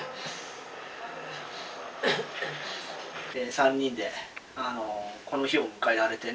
３人でこの日を迎えられてね。